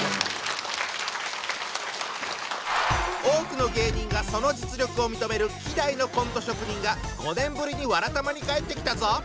多くの芸人がその実力を認める希代のコント職人が５年ぶりに「わらたま」に帰ってきたぞ。